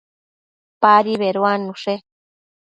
Padi beduannushe